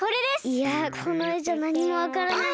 いやこのえじゃなにもわからない。